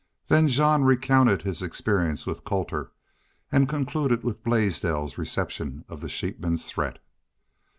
Then Jean recounted his experience with Colter and concluded with Blaisdell's reception of the sheepman's threat.